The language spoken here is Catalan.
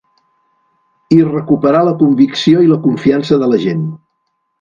I recuperar la convicció i la confiança de la gent.